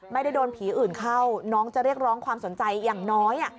ไม่ได้โดนผีอื่นเข้าน้องจะเรียกร้องความสนใจอย่างน้อย